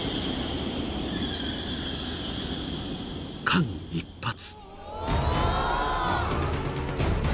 ［間一髪］